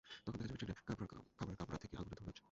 তখন দেখা যায়, ট্রেনের খাবারের কামড়া থেকে আগুনের ধোয়া বের হচ্ছে।